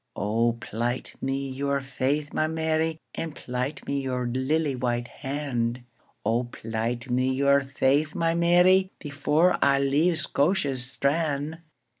O plight me your faith, my Mary, And plight me your lily white hand;O plight me your faith, my Mary, Before I leave Scotia's strand.